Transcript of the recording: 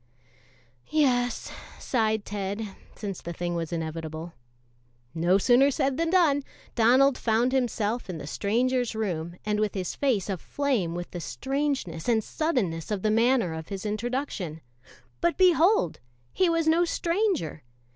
"Yes," sighed Ted, since the thing was inevitable. No sooner said than done. Donald found himself in the stranger's room and with his face aflame with the strangeness and suddenness of the manner of his introduction. But behold! he was no stranger.